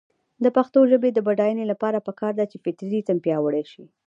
د پښتو ژبې د بډاینې لپاره پکار ده چې فطري ریتم پیاوړی شي.